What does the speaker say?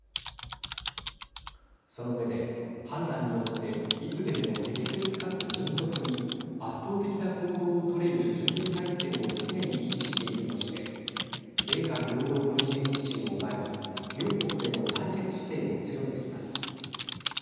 その上で判断によっていつでも適切かつ迅速に圧倒的な行動を取れる準備体制を常に維持しているとして米韓合同軍事演習を前に両国への対決姿勢を強めています。